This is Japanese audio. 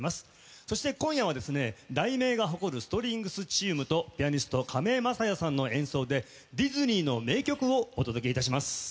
そして今夜は「題名」が誇るストリングスチームとピアニスト亀井聖矢さんの演奏でディズニーの名曲をお届けいたします。